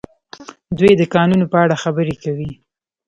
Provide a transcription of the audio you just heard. دوی د کانونو په اړه خبرې کوي.